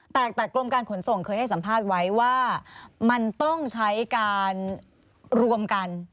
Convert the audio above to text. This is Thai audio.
แต่กรมการขนส่งเคยให้สัมภาษณ์ไว้ว่ามันต้องใช้การรวมกัน